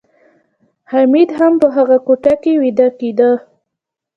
حمید هم په هغه کوټه کې ویده کېده